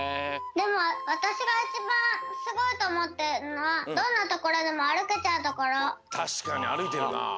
でもわたしがいちばんすごいとおもってるのはたしかにあるいてるな。